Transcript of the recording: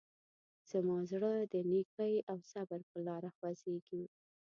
زما زړه د نیکۍ او صبر په لاره خوځېږي.